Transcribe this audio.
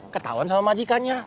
ketauan sama majikannya